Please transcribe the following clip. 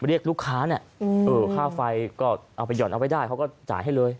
เรียกลูกค้าเนี่ยค่าไฟก็เอาไปห่อนเอาไว้ได้เขาก็จ่ายให้เลย